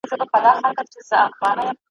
د خوني زمري منګولو څيرولم ,